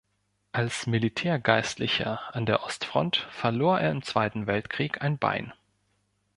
Als Militärgeistlicher an der Ostfront verlor er im Zweiten Weltkrieg ein Bein.